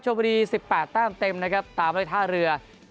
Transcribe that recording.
ชวบรีสิบแปดแต้มเต็มนะครับตามด้วยท่าเรือ